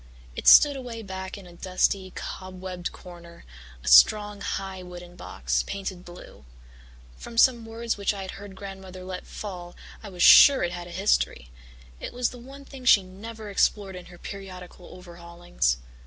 It stood away back in a dusty, cobwebbed corner, a strong, high wooden box, painted blue. From some words which I had heard Grandmother let fall I was sure it had a history; it was the one thing she never explored in her periodical overhaulings.